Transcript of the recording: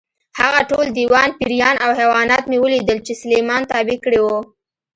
هغه ټول دیوان، پېریان او حیوانات مې ولیدل چې سلیمان تابع کړي وو.